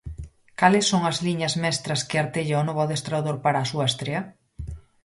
Cales son as liñas mestras que artella o novo adestrador para a súa estrea?